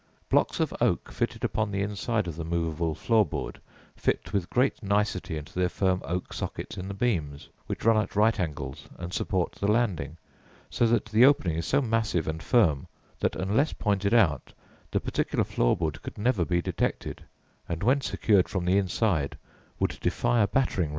Blocks of oak fixed upon the inside of the movable floor board fit with great nicety into their firm oak sockets in the beams, which run at right angles and support the landing, so that the opening is so massive and firm that, unless pointed out, the particular floor board could never be detected, and when secured from the inside would defy a battering ram.